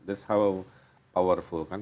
itu yang kuat